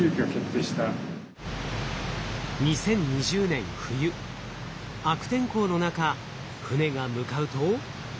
２０２０年冬悪天候の中船が向かうと。